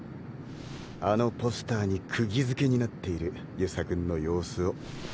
あのポスターに釘付けになっている遊佐君の様子を。